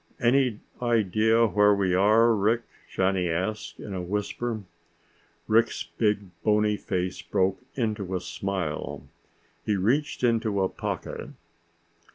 "Any idea where we are, Rick?" Johnny asked in a whisper. Rick's big, bony face broke into a smile. He reached into a pocket.